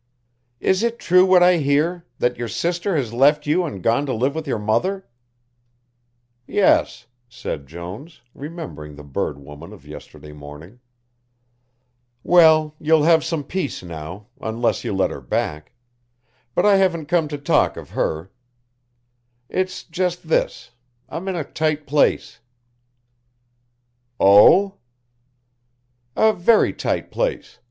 "Is it true what I hear, that your sister has left you and gone to live with your mother?" "Yes," said Jones, remembering the bird woman of yesterday morning. "Well, you'll have some peace now, unless you let her back but I haven't come to talk of her. It's just this, I'm in a tight place." "Oh!" "A very tight place.